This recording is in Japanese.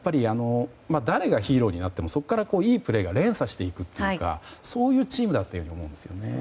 誰がヒーローになってもそこからいいプレーが連鎖していくというかそういうチームだと思うんですね。